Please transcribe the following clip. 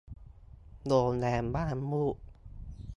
โรงแรมม่านรูด